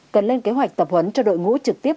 cần lên kế hoạch tập huấn cho đội ngũ trực tiếp